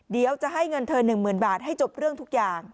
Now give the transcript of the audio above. เดี๋ยวจะให้เงินเธอ๑๐๐๐บาทให้จบเรื่องทุกอย่าง